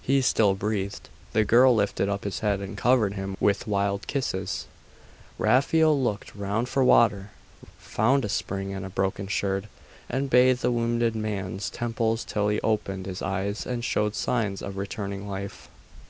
He still breathed. The girl lifted up his head and covered him with wild kisses. Raphael looked round for water; found a spring and a broken sherd, and bathed the wounded man's temples till he opened his eyes and showed signs of returning life.